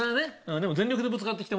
でも。